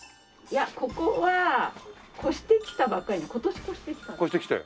いやここは越してきたばっかりで今年越してきた。